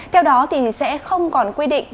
theo đó thì sẽ không còn quy định